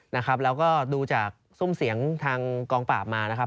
นะครับแล้วก็ดูจากซุ่มเสียงทางกองปราบมานะครับ